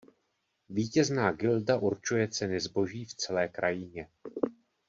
Vítězná gilda určuje ceny zboží v celé krajině.